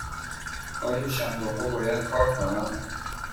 آیا شنبه ها باید کار کنم؟